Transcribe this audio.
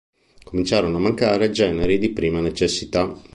Cominciarono a mancare generi di prima necessità.